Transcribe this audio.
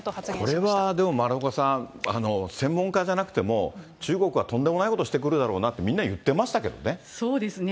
これはでも、丸岡さん、専門家じゃなくても、中国はとんでもないことをしてくるだろうなって、そうですね。